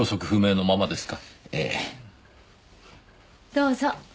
どうぞ。